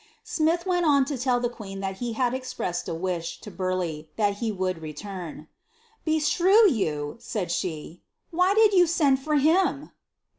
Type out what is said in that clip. Smith weni on tell iht queen that he had expressed a wish to Burleigh, thai he would retam. " Beshrew you," said ahe, " why did you send for him